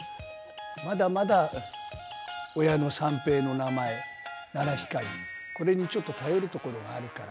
まだまだ親の三平の名前、七光り、これにちょっと頼るところがありますから。